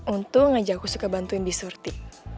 untung aja aku suka bantuin di surti